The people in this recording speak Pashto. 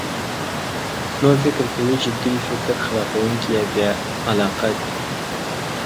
نور فکر کوي چې دوی فکر خرابونکي یا بې علاقه دي.